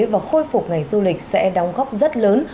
và khôi phục ngành du lịch sẽ đóng góp rất lớn